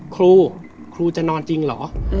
ครูครูจะนอนจริงเหรอ